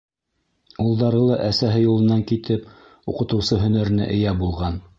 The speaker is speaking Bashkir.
Улдары ла әсәһе юлынан китеп, уҡытыусы һөнәренә эйә булған.